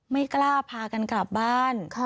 ไม่กล้าพากันกลับบ้าน